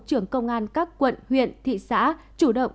trưởng công an các quận huyện thị xã chủ động